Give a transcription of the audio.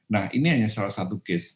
nah ini hanya salah satu case